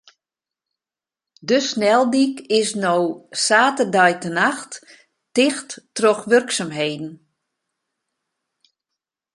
De sneldyk is no saterdeitenacht ticht troch wurksumheden.